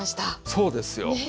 そうですよ。ねえ。